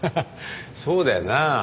そうだよな。